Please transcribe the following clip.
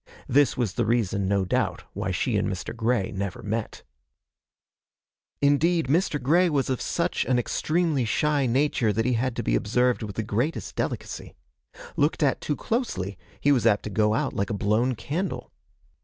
This was the reason, no doubt, why she and Mr. Grey never met. Indeed, Mr. Grey was of such an extremely shy nature that he had to be observed with the greatest delicacy. Looked at too closely, he was apt to go out like a blown candle.